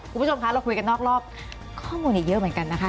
คุณผู้ชมคะเราคุยกันนอกรอบข้อมูลอีกเยอะเหมือนกันนะคะ